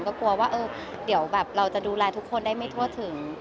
ก็กลัวว่าเออเดี๋ยวแบบเราจะดูแลทุกคนได้ไม่ทั่วถึง